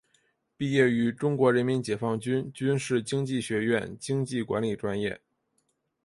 毕业于中国人民解放军军事经济学院经济管理专业。